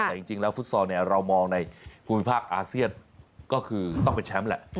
แต่จริงแล้วฟุตซอลเนี่ยเรามองในภูมิภาคอาเซียนก็คือต้องเป็นแชมป์แหละ